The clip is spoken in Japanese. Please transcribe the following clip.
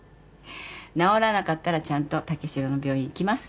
治らなかったらちゃんと武四郎の病院行きます。